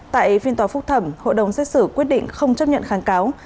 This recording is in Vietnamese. tại phiên tòa phúc thẩm hội đồng xét xử quyết định không chấp nhận kháng cáo